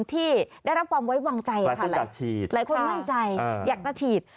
ที่ได้รับความไว้วางใจค่ะหลายคนมั่นใจอยากจะฉีด